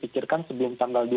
kemudian pergiatannya mieja